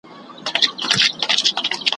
ننګیالیه منزل هم درسره مل دئ